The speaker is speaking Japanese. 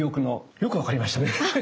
よく分かりましたね！